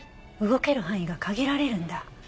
動ける範囲が限られるんだ。